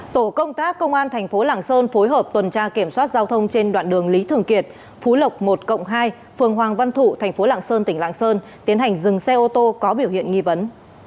tổ công tác công an thành phố lạng sơn phối hợp tuần tra kiểm soát giao thông trên đoạn đường lý thường kiệt phú lộc một hai phường hoàng văn thụ thành phố lạng sơn tỉnh lạng sơn tiến hành dừng xe ô tô có biểu hiện nghi vấn